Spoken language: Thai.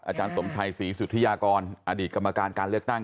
อาจารย์สมชัยศรีสุธิยากรอดีตกรรมการการเลือกตั้ง